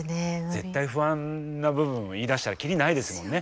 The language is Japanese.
絶対不安な部分を言いだしたら切りないですもんね